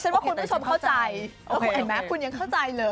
ฉันว่าคุณผู้ชมเข้าใจคุณเห็นไหมคุณยังเข้าใจเลยโอเคโอเค